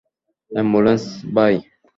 Ambulance, ভাই!